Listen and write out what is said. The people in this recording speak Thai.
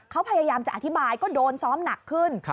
เขาพยายามจะอธิบายก็โดนซ้อมหนักขึ้น